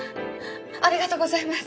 ありがとうございます。